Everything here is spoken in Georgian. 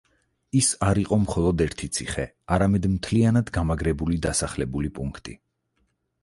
ის არ იყო მხოლოდ ერთი ციხე, არამედ მთლიანად გამაგრებული დასახლებული პუნქტი.